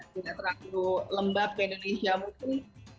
jika terlalu lembab kayak di indonesia mungkin